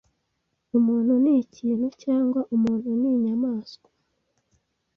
umuntu n’ikintu cyangwa umuntu n’inyamaswa: